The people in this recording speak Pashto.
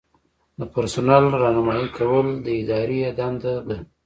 د پرسونل رہنمایي کول د ادارې دنده ده.